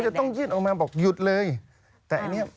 เพียงต้องยืดออกมาบอกหยุดเลย